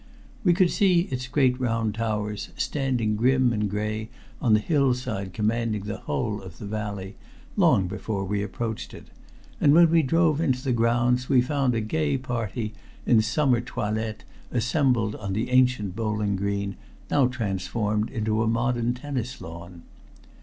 We could see its great round towers, standing grim and gray on the hillside commanding the whole of the valley, long before we approached it, and when we drove into the grounds we found a gay party in summer toilettes assembled on the ancient bowling green, now transformed into a modern tennis lawn.